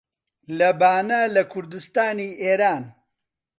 لە بانە لە کوردستانی ئێران